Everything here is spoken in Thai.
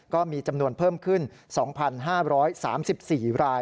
ก็มีจำนวนเพิ่มขึ้น๒๕๓๔ราย